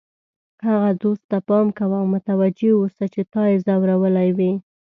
هغه دوست ته پام کوه او متوجه اوسه چې تا یې ځورولی وي.